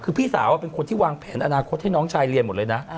คือพี่สาวเป็นคนที่วางแผนอนาคตให้น้องชายเรียนหมดเลยนะ